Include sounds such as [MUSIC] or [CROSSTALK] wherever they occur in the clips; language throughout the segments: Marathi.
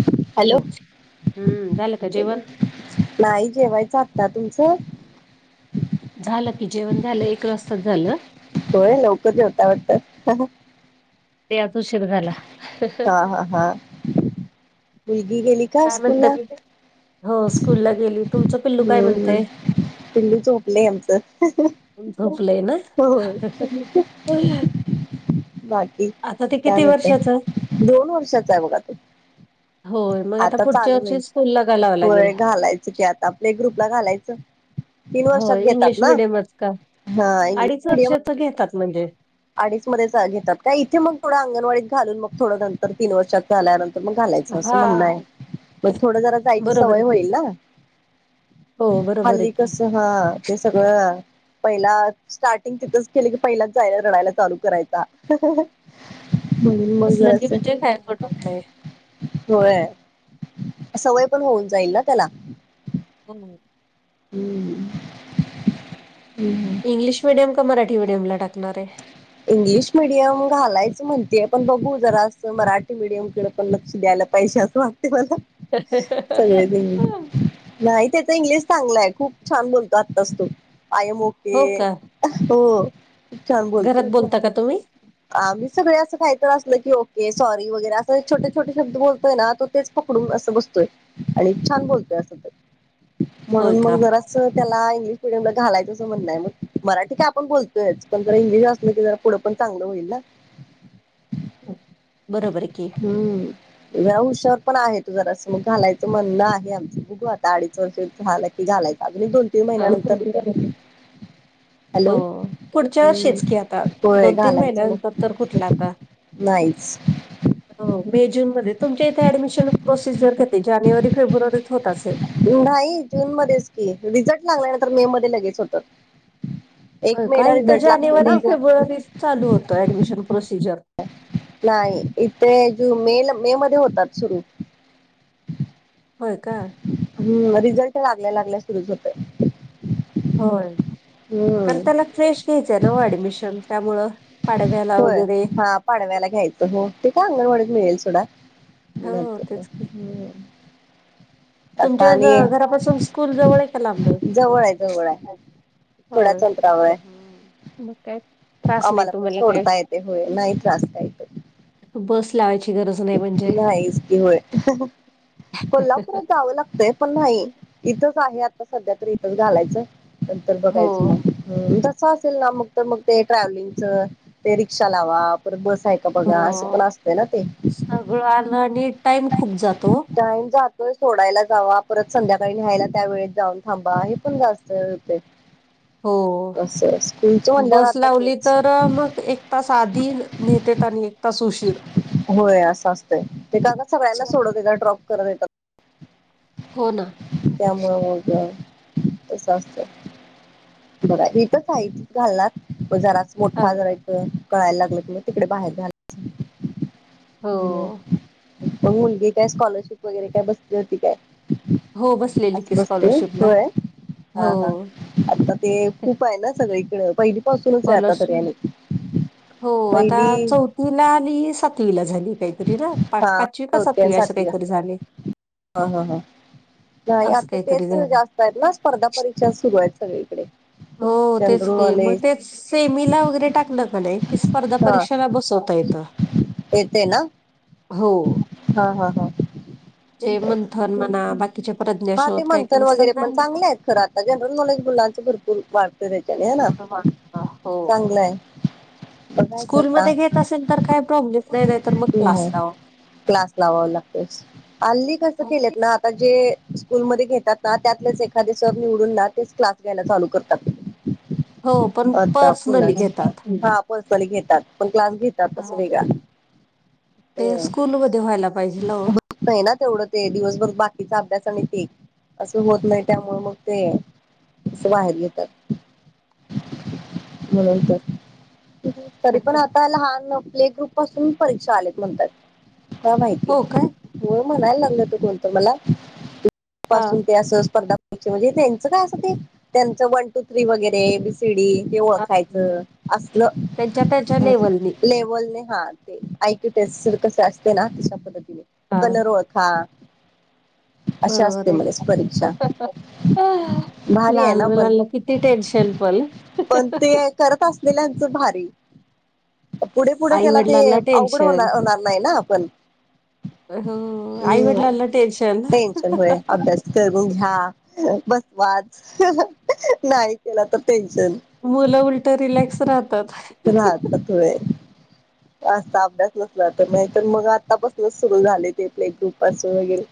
[UNINTELLIGIBLE] हॅलो हम्म झालं का बोला जेवण. नाही जेवायचं आगता तुमचं. झालं की जेवण झालं एक वाजता झालं. होय लवकरे होता वाटत. ते आत उ शर झाला. ह हा. बुलली गेणी. काय म्हणत मी हो स्कूलला गेली. तुमचं पिल्लू काय म्हणतय हम्मम् पिंड झोपलंय आमचं झोपलंय ना. होय बाकी आता ते किती काय होतय वर्षाच दोन वर्षाचा आहे बघा तू होय मग आता पुढच्या चालू वर्षी आहेईल स्कूल ला घालावं लागेल होय घालायचं की आता आपले ग्रुपला घालायचं. तीन हो वर्षात घेतात ना हा. चश मिडियम तर घेतात म्हणजे. अडीच मध्येच घेतात काय? इथे मग थोडं अंगणवाडीत घालून मग थोडं नंतर तीन वर्षात. झाल्यानंतर मग घालायचं असं हा म्हणणं आहे पण थोडं जरा जायची बरोबर सवय आहे की होईल ना. हो बरोबर आहे. ते की कसं हं ते सगळ पहिला स्टार्टिंग तिथंच केलं की पहिलाच जायाला. रडायला चालू करायचा. म्हणून मग असलं की जरासं. म्हणजे काय पटत नाही होय... सवय पण होऊन जाईल ना... त्याला हो. हुं.... हुं हुं. इंग्लिश मिडियम का... मराठी मिडियमला टाकणार ए? इंग्लिश मिडियम घालायचं म्हणतेय... पण बघू जरा... असं मराठी मिडियमकडं पण लक्ष द्यायला पैशांत मागते मला... सगळे देऊन नाई... त्याचं इंग्लिश चांगलंय... खूप छान बोलतो आताच तो.. आ एम ओके हो का अ... हो. खूप छान बोलतोय घरात बोलता का तुम्ही? आम्ही सगळे असं कायतरी असलं की... ओके, सॉरी वगैरे असं छोटे छोटे शब्द बोलतोय ना, तो तेच पकडून असं बसतोय... आणि छान बोलतोय असं तर [UNINTELLIGIBLE] होय म्हणून मग का? जरा कसं... त्याला इंग्लिश मिडियमला घालायचं असं म्हणणं हाये... मग मराठी काय आपण बोलतोयच... पण जर इंग्लिश असलं की जरा पुढं पण चांगलं होईल ना बरोबर ए कि हम्म जरा हुशार पण आहे तो... जरा असं... मग घालायचं म्हणणं आहे आमचं... बघू आता... अडीच वर्षाचा झाला की घालायचं अगदी दोन तीन हो. महिन्यानंतर... हॅलो... हो. पुढच्या हुं... वर्षीच की आता होय. दोन तीन घालायचं महिन्यानंतर तर कुठलं मग... आता. नाहीच. मे जून मध्ये... तुमच्या इथे ऍडमिशन प्रोसिजर कधी? जानेवारी फेब्रुवारीत होत असेल. न्हाई.. जून मध्येच की... रिझल्ट लागल्या नंतर मे मध्ये... लगेच होतात होय का.... इथं जानेवारी, फेब्रुवारी चालू होतं ऍडमिशन प्रोसिजर नाई... इथे जून, मे... मे मध्ये होतात सुरू होय का? रिझल्ट लागल्या लागल्या सुरूच होतात. होय... कारण त्याला फ्रेश घ्यायचंय न हो... ऍडमिशन त्यामुळं पाडव्याला होय... वगैरे हा पाडव्याला घ्यायचं... हो... ते काय अंगणवाडीत मिळेल सोडा [UNINTELLIGIBLE] हुं. हो तेच की. आता तुमच्या घ आणि.... घरापासून स्कूल जवळ आहे का लांब आहे? जवळ ए, जवळ ए थोड्याच होय. अंतरावर ए मग काय त्रास नाही आम्हांला पण तुम्हाला काय सोडता येतेय... होय... नाही त्रास काय हित बस लावायची गरज न नाहीच की... होय... हं हं... कोल्हापुरात जावं लागतंय... पण न्हाई... इथंच आहे, आता सध्या तरी इथंच घालायचं नंतर हो बघायचं मग तसं असेल ना... मग तर मग ते ट्रॅव्हलिंगच... ते रिक्षा लावा... परत बस हाएत बघा... असं पण, हो असतंय ना ते सगळं आलं... नी टाइम खूप जातो वो टाईम जातोय... सोडायला जावा, परत संध्याकाळी न्हाययला त्या वेळेत जाऊन थांबा... हे पण जास्त वेळ होतय हो... स्कूलचं म्हणल्यावर बस आता लावली तेच तर तर मग... एक तास आधी नेतेत... आणि एक तास उशीर होय... असं असतंय... ते का... का सगळ्यांना सोडत येतात... ड्रॉप करत येतात हो ना त्यामुळं मग तसं असतं... बघा... हितं शाळेत घालणार [UNINTELLIGIBLE] मोठा... हा. जरा... एक कळायला लागलं.... कि मग तिकडे बाहेर घालणा मग... हो मुलगी काय... स्कॉलरशिप वगैरे... काय बसली होती काय? हो बसलेली [UNINTELLIGIBLE] की बसते स्कॉलरशिपला होय? हा हो हा- आता ते... खूप आहे ना, सगळीकडं, पहिली पासूनच आहे आता स्कॉलरशिप तरीने पहिली. तिला आली सातवीला झाली पाहिजे. तरी ना पा हा पाचवी होते आणि कसवी असे सातवी काहीतरी असते झाले. हा हा हा नाही असं आता काहीतरी तेच झालं जास्त आहेत ना स्पर्धा परीक्षा सुरू आहेत सगळीकडे. हो तेच जनरल क मग नॉलेज ते सेमीला वगैरे टाकलं का नाही की स्पर्धा हा परीक्षेला बसवता येत. येते ना. हो. हा हा हा. जे मंथन म्हणा बाकी कच्या पररा. हा ते मंथन वगैरे पण चांगले आहेत खरं आता जनरल नॉलेज मुलांच भरपूर वाढत. ना बरोबर चांगलंय. स्कूलमध्येध्ये घेत असेल तर काही प्रॉब्लेम् नाही नाही तर मग क्लास नाही लाव. क्लास लावाव लागते अल्ली कसं ख केलेत ना. आता जे स्कूलमध्येध्ये घेतात ना त्यातलेच एखादे सर निवडून ना तेच क्लास घ्यायला चालू करतात. हो पण पर्सनली घेतात. कोर्सली घेतात पण क्लास घेतात असं हा, वेग ते स्कूलमध्ये व्हायला पाहिजे. होत नाही ना तेवढं ते दिवसभर बाकीचा अभ्यास स असं होत नाही त्यामुळे मग ते तं बाहेर घेतात म्ह. तरी पण आता लहान प्ले ग्रुप पासून परीक्षा आल्यात म्हणतात. का माहिती हो काय मु म्हणायला लागल तू कोोलतो मला हा पाून ते असं स्पर्धा प म्हणजे त्यांच काय असं ते त्यांच वन टू थ्री वगैरे िडी हे ओळखायचं असलं त्यांच्या त्यांच्या लेवलनी लेवल न हात. ते ऐक ते कसे असते ना तशा पद्धतीने हा कलर ओळखा. अशी बरोबर असते आहे. म्हणे परीक्षा भारी आहे लहान ना पण मुलांला किती टेन्शन पल पण ते करत असलेल्यांचं भारी पुढे पुढे त्याला ते आईवडिलांना अवघड टेन्शन होणार होणार नाही ना आपण हो हम्म आईवडलां ना टेन्शन टेन्शन हो अभ्यास करून घ्या बस वा. नाही केला तर पेन्शन मुलं उलट रिलॅक्स राहतात. तत आहे. असता अभ्यास नसला तर नाही तरर मग आत्तापासूनच सुरू झाले ते पले ग्रुपसून वगैरे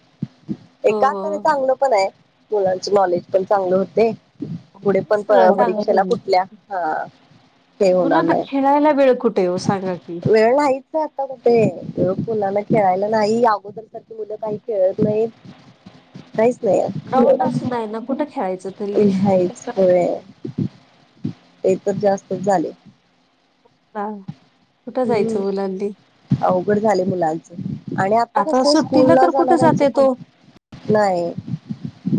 हो एका हो अर्थाने चांगलं पण आहे मुलांची नॉलेज पण चांगलं होते. पुढे हे पण सगळं परीक्षेला चांगलं कुठल्या ह. मुुला ना खेळायला वेळ कुठे हो सांगा की वेळय. आताठ मुलांना खेळायला नाही अगोदर तर त मुलं काही खेळत. नाही. गउंड असं नाहीय ना कुठं खेळायचं ल्ली. नाहीच होय ते तर जास्तच झाले. ह कुठं जायचं हम्म बलांली. अवघड झाले मुलांच आणि आता कस स्कूल सुट्टीला ला तर कुठे जाते जाणारचं पण तो. नाही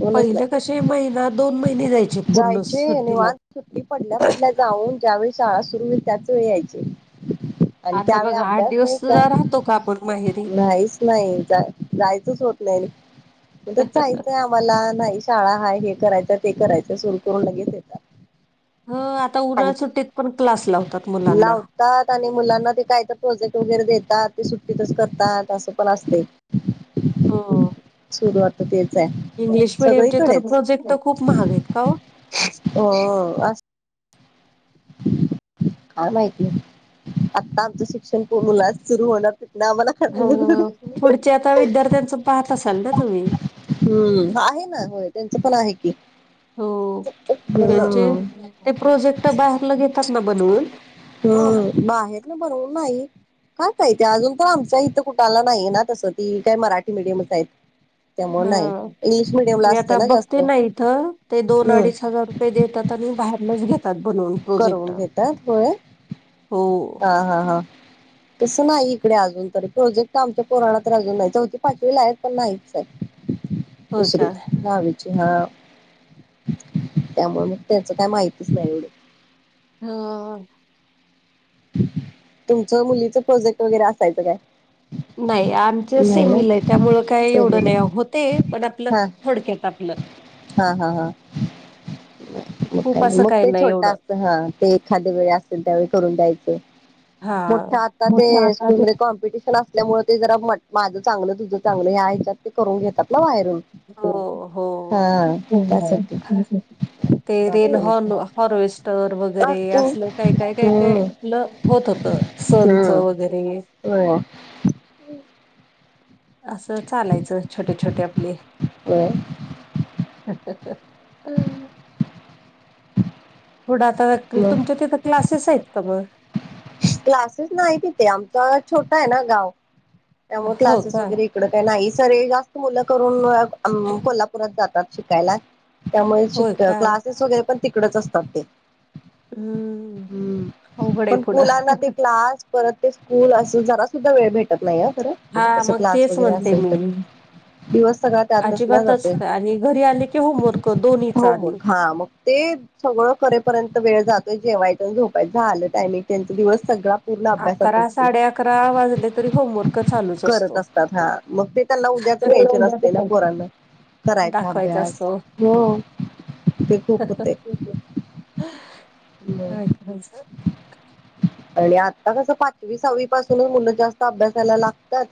कोणच नाही. े महिना दोन महिने. जायचे पूर्ण जायचे आणि सुट्टीला. वान सुट्टी पडल्या पडल्या. जाऊन ज्यावेेळी शाळा सुरु होईल त्याच वेळ यायचे आणि आता त्यावेळी बघा आठ अभ्यास दिवस नाही सुद्धा राहतो का आपण माहेरी? काय नाहीच नाही जा जायचंच होत नाही म्हण जायच आम्हाला नाही शाळा हा हे करायच ते करायचं सुरू करून लगेच येत ह आता उन्हाळ सुट्टीत पण क्लास लावतात मुलांना ात आणि मुलांना ते काय तर प्रोजेक्ट वगैरे देतात ते सुट्टीतच करतात असं पण असते सुरुवात तेच आहे इंग्लिश मिीडियमचे तर सगळीकडेच प्रोजेक्ट खूप महाग आहेत का हो हो अस काय माहितीय आहे आत्ता आमचं शिक्षण पूर्ण सुरू होणार ना आम्हाला कळालं ह पुढच्या आता विद्यार्थ्यांच पाहत असाल ना तुम्ही हम्म आहे ना होय त्यांचं पण आहे की हो त्यांचे ते प्रोजेक्ट बाहेरला घेतात ना बनवून हम बाहेर न बरवून नाही काहित आहे अजून तर आमच्या इथं कुठला नाही ना तसं ती काय मराठी मीडियमच आहेत हा त्यामुळे नाही इंग्लिश मिडियमला मी असते आता जास्त बघते ना इथं ते दोन हम्म अडीच हजार देतात आणि बाहेरनच घेतात बनवून प्रोजेक्ट. करवून घेत वय हो हा हा हा तसं नाही इकडे अजून तरी प्रोजेक्ट आमच्या पुराणातरी अजून नाही चौथी पाचवी ला आहेत पण नाहीहे होय दुसरी का? नावी हा त्यामुळे मग त्याच काय माहितीच नाही एवढ हा तुमचं मुलीचं प्रोजेक्ट वगैरे असायचं काय? नाही आमचं नाही ना सेमल आहे त्यामुळं काही एवढं सेवलेलं नाही होते पण आपलं हा थोडक्यात आपलं हा हा हा. खूप मग असं मग काही ते नाही छोटा एवढं असतं हा ते एखाद वेळ असतील त्यावेळी करून द्यायचं. हा. मोठ्या आता ते मोठ्या हातात स्कूल म कॉम्पिटिशन अस मुळेळ ते जराट माझं चांगलं तुझं चांगलं ह्या ह्याच्यात ते करून घेतात ना बाहेरून हो हो हा हो त्यासाठी ख ते बाकी रेन हॉर् मग हॉर्वेस्टर वगैरे काय असलं काही काय काय काय हम्म आपलं होत होत संच वगैरे हो असं चालायचं छोटे छोटे आपले व ह पुथढं आता मग तुमच्या तिथे क्लासेस आहेत का मग क्लासेस नाही तिथे आमचा छोटा आहे ना गाव त्यामुळे हो क्लासेस का वगैरे इड काही नाही सर जास्त मुलं करून कोल्हापुरात जातात शिकायला त्यामुळे होय शिक का क्लासेस वगैरे पण तिकडच असतात ते हम्म अवघड आहे पुढं. आज परत ते स्कूल असं जरा सुद्धा वेळ भेटत नाही खरं हा तसं मग क्लास तेच वगैरे म्हणते असेल तर मी दिवस सगळा त्यातच ना अजिबातच जाते नाही. आणि घरी आले की होमवर्क दोन्हीचा हो मूर् आणि हा मग ते सगळं खरेपर्यंत वेळ जातोय जेवायच्या झोपायचं आलं टायमिंग त्यांचा दिवस सगळा पूर्ण अभ्यासात अकरा असते साडे अकरा वाजले तरी होमवर्क चालूच करत असतो. असतात हा मग ते त्यांना उद्याच टेन्शन असते ना पोरना करायचा दाखवायचा अभ्यास असतो. हो तघूपते काय ह करायचं आणि आता कसं पाचवी सहावी पासूनच मुलं जास्त अभ्यास यायला लागत.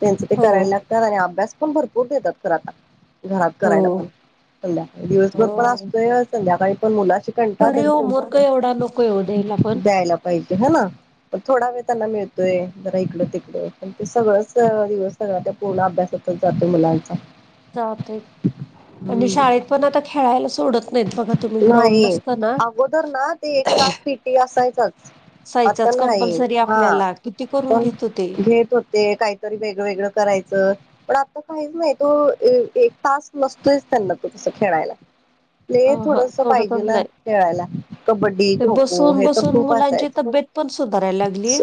त्यांचे ते हो करायला लागतात आणि अभ्यास पण भरपूर देतात ख आता घरात हो करायला पण संध्याकाळी दिवसभर पण असतोय संध्याकाळी पण मुला शिक अरीे हो मोर्क एवढा नको ये उद्याला पण द्यायला पाहिजे ह ना पन थोडा वेळ त्यांना मिळतोय जरा इकडं तिकडं पण ते सगळंच दिवस सगळ ते पूर्ण अभ्यास होच जाते मुलांचा सात म्हणजे हम्म शाळेत पण आता खेळायला सोडत नाहीत बघा तुम्ही ग्राउंड नाही नसता ना अगोदर ना ते एक तास पीटी असायचच. आता साईचाच नाही कंपल्सरी हा आपल्याला किती करून पण घेतो ते भेत होत. ते काहीतरी वेगळं वेगळं करायचं. पण आता काहीच नाही तो एक तास नसतोयच त्यांना तो तस खेळायला प अ ह थोडस पाहिजे सोडतच नाही. ना खेळायला. कबड्डी ते खो खो बसून हे तर बसून खूप मुलांची असायच. तब्येत पण सुधारायला लागली.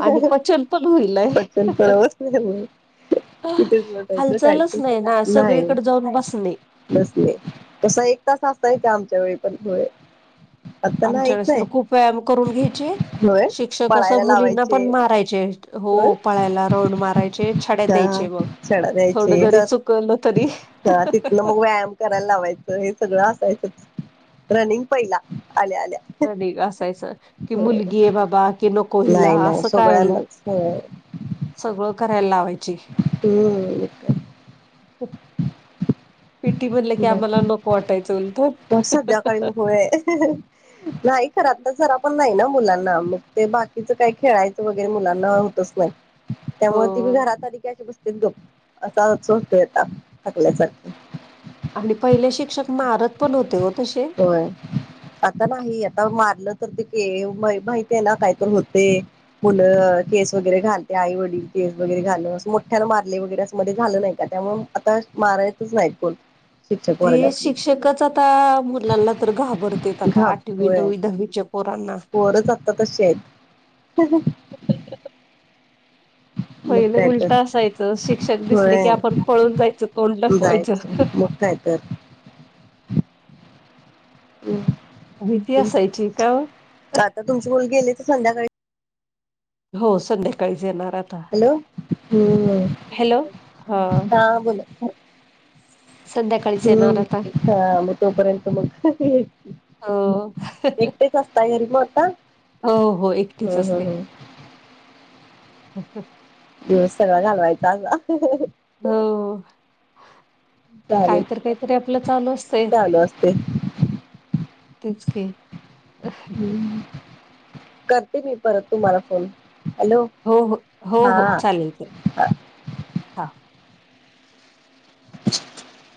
आणि पचन पण होईलय. त्यांवस् नाहीमुळे तिथेचटायचं हालचालच कायच नाही ना नाही. सगळीकडे जाऊन बसणे. सले तस एक तास असताय ते आमच्या वेळी पण होय. आता आमच्या नाहीच वेळेस तर आहे खूप व्यायाम करून घ्यायचे होय. शिक्षक असं पळायला मुलींना पण लावायचे मारायचे. हो होय पळायला राऊंड मारायचे छड्यात हा द्यायचे बघ छडा थोडं द्यायचे जरी तर चुकवलं तरी. तिथनं मग व्यायाम करायला लावायचं हे सगळं असायचं रनिंग पहिला आल्या आल्या त असायचं की हम्म. मुलगी आहे बाबा कि नको हिला असं कायलाय? हो सगळं करायला लावायची. हम्. पिटी ब ब संध्याकाळी उलट. घोड आहे नाही खरात तर जरा पण नाही ना मुलांना मग ते बाकीच काही खेळायचं वगैरे मुलांना होतच नाही हो त्यामुळे ती मी घरात आली बस् दो असा सतोयता टाकल्यासारख आपले पहिले शिक्षक मारत पण होते ओ तसे होय. आता नाही आता मारलं तर ते के माहियेय ना काय तर होते. मुलं केस वगैरे घालते आई वडील केस वगैरे घाल अस मोठ्यान मारले वगैरे असं मध्ये झालं नाही का त्यामु आता मारायचच नाही कोण? शिक्षक ते वर्गात शिक्षकच आता मुलांना तर घाबरते आता आठवी घाबरतोय नववी दहावीच्या पोरांना त तश हो. मग पहिलं काय तर उलट असायचं शिक्षक दिसले की होय आपण पळून जायचं कोण ट फवायचं. जायचं मग काय तर हम भीती असायची का हो तुमचे मुोल गेले तर संध्याकाळी हो संध्याकाळीच येणार हॅलो हम् हा बोला संध्याकाळीच येणार आता. हम्म हा मग तोपर्यंत मग हो एकटेच असता घरी मग आता हो हो हम्म एकटीच हम्म असते हम्म दिवस सर्व घालवायचा आ होा चालेल काहीतरी काहीतरी आपलं चालू असतय चालू असते तेच की ह करते मी परत तुम्हाला फोन हॅलो हो हो हो हा हो चालेल चालेल हा. [INAUDIBLE]